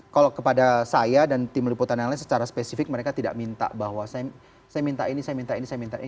kalau kepada saya dan tim liputan yang lain secara spesifik mereka tidak minta bahwa saya minta ini saya minta ini saya minta ini